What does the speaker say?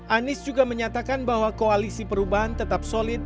anies juga menyatakan bahwa koalisi perubahan tetap solid